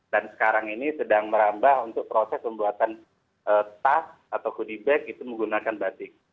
dan sekarang ini sedang merambah untuk proses pembuatan tas atau goodie bag menggunakan batik